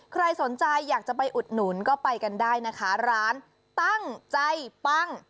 ใครสนใจอยากจะไปอุดหนุนก็ไปกันได้นะคะร้านตั้งใจปั้ง